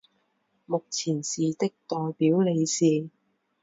目前是的代表理事。